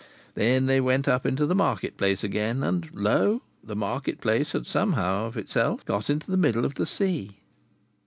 Then they went up into the market place again, and lo! the market place had somehow of itself got into the middle of the sea!